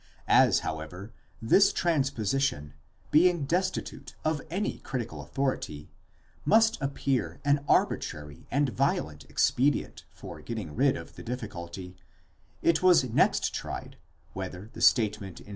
* As, however, this transposition, being destitute of any critical authority, must appear an arbitrary and violent expedient for getting rid of the difficulty, it was next tried whether the statement in v.